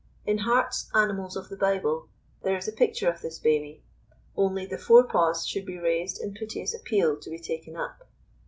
In Hart's Animals of the Bible, there is a picture of this baby, only the fore paws should be raised in piteous appeal to be taken up.